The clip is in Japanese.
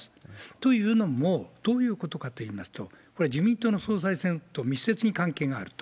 というのも、どういうことかといいますと、これは自民党の総裁選と密接に関係があると。